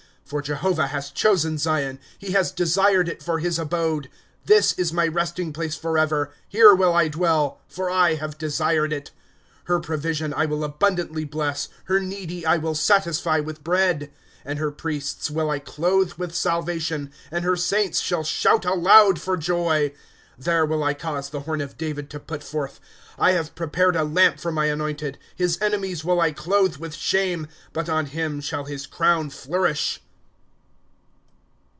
" For Jehovah has chosen Zion ; He has desired it for his abode. " This is my resting place forever ; Here will I dwell, for I have desired it. ^^ Her provision I will abundantly bless ; Her needy I will satisfy with bread. ^^ And her priests will I clothe with salvation, And her saiuts shall shout aloud for jOy. " There will I cause the horn of David to put forth ; I have prepared a lamp for my anointed, ^s His enemies will 1 clothe with shame ; But on him shall his crown flourish.